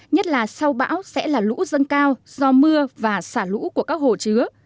nhất là sau bão sẽ là lũ dâng cao do mưa và xả lũ của các hồ chứa